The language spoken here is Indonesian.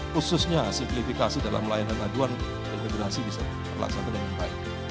khususnya simplifikasi dalam melayanan aduan dan generasi bisa dilaksanakan dengan baik